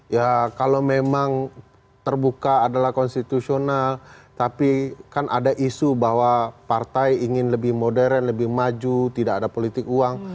ya kalau memang terbuka adalah konstitusional tapi kan ada isu bahwa partai ingin lebih modern lebih maju tidak ada politik uang